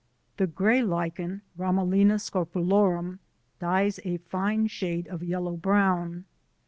The grey Lichen, Ramalina scopulorum dyes a fine shade of yellow brown.